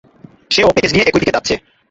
সেও প্যাকেজ নিয়ে একই দিকে যাচ্ছে।